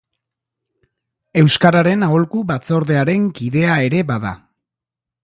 Euskararen Aholku Batzordearen kidea ere bada.